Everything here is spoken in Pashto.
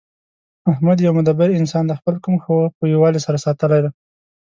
احمد یو مدبر انسان دی. خپل قوم ښه په یووالي سره ساتلی دی